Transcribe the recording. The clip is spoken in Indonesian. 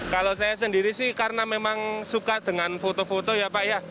kalau saya sendiri sih karena memang suka dengan foto foto ya pak ya